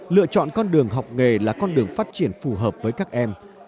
lựa chọn con đường học nghề là con đường phát triển phù hợp với các em